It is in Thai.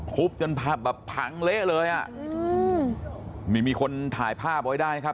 จนผับแบบพังเละเลยอ่ะอืมนี่มีคนถ่ายภาพไว้ได้นะครับ